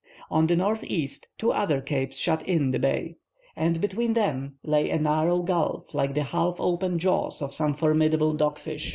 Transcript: On the northeast, two other capes shut in the bay, and between them lay a narrow gulf like the half open jaws of some formidable dog fish.